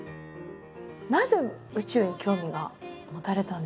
なぜ宇宙に興味が持たれたんですか？